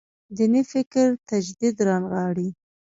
دیني فکر تجدید رانغاړي.